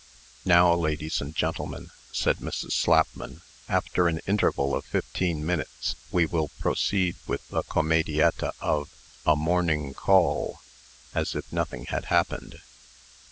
"Now, ladies and gentlemen," said Mrs. Slapman, "after an interval of fifteen minutes, we will proceed with the comedietta of 'A Morning Call,' as if nothing had happened."